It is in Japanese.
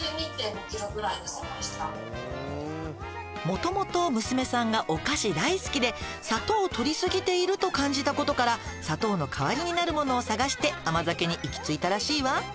「もともと娘さんがお菓子大好きで砂糖を取り過ぎていると感じたことから砂糖の代わりになるものを探して甘酒に行き着いたらしいわ」